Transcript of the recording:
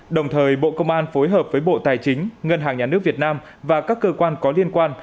đồng thời bộ công an phối hợp với bộ tài chính ngân hàng nhà nước việt nam và các cơ quan có liên quan